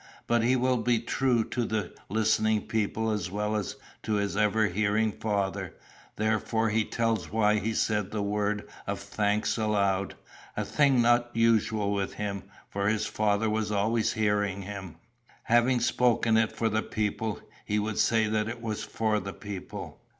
But he will be true to the listening people as well as to his ever hearing Father; therefore he tells why he said the word of thanks aloud a thing not usual with him, for his Father was always hearing, him. Having spoken it for the people, he would say that it was for the people.